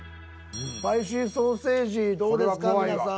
スパイシーソーセージどうですか皆さん。